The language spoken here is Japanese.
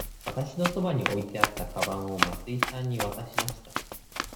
わたしのそばに置いてあったかばんを松井さんに渡しました。